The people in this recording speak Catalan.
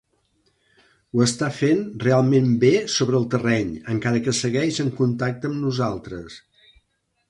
Ho està fent realment bé sobre el terreny, encara que segueix en contacte amb nosaltres.